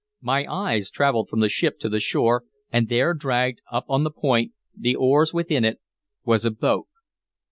My eyes traveled from the ship to the shore, and there dragged up on the point, the oars within it, was a boat.